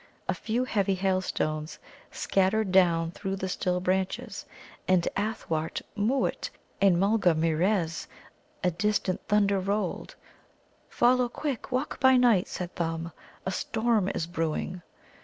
A few heavy hailstones scattered down through the still branches. And athwart Mōōt and Mulgarmeerez a distant thunder rolled. "Follow quick, Walk by night," said Thumb; "a storm is brewing."